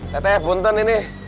teh teh bunten ini